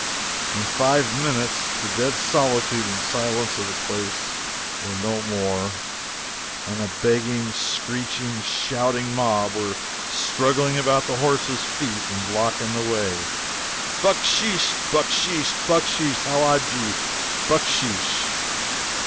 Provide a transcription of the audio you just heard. In five minutes the dead solitude and silence of the place were no more, and a begging, screeching, shouting mob were struggling about the horses' feet and blocking the way. "Bucksheesh! bucksheesh! bucksheesh! howajji, bucksheesh!"